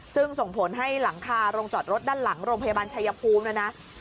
ซึ่งส่งผลให้หลังคาโรงจอดรถด้านหลังโรงพยาบาลชายภูมินะนะ